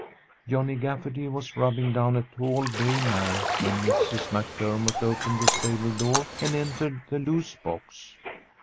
Johnny Gafferty was rubbing down a tall bay mare when Mrs. MacDermott opened the stable door and entered the loose box.